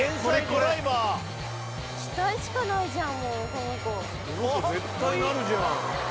この子、絶対なるじゃん。